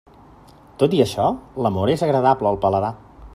Tot i això, la móra és agradable al paladar.